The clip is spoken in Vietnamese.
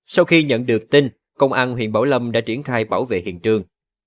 sau khi nhận được tin công an huyện bảo lâm đã triển khai bảo vệ hiện trường